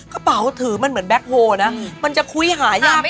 กระเป๋าถือมันเหมือนแบ็คโฮลนะมันจะคุยหายากไหม